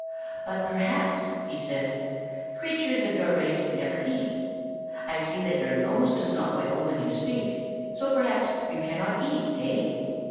"But perhaps," he said, "creatures of your race never eat. I see that your nose does not wiggle when you speak, so perhaps you cannot eat, eh?"